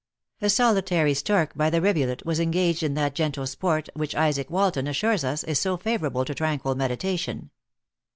A solitary stork, by the rivulet, was engaged in that gentle sport which Isaac Walton assures us, is so favorable to tranquil meditation.